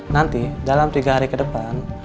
nanti dalam tiga hari ke depan